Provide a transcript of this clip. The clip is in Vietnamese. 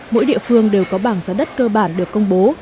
mỗi địa phương đều có bảng giá đất cơ bản được công bố